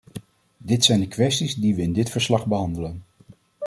Dit zijn de kwesties die we in dit verslag behandelen.